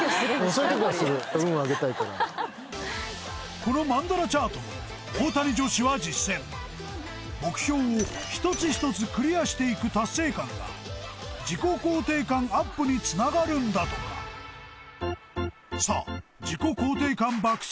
そういう時はするこのマンダラチャートも大谷女子は実践目標を一つ一つクリアしていく達成感が自己肯定感アップにつながるんだとかさあ自己肯定感爆下